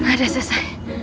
nah udah selesai